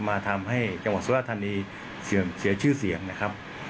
มาทำให้จังหวัดสุรธานีเสียชื่อเสียงนะครับ